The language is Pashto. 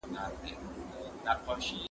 زه اجازه لرم چي لاس پرېولم!.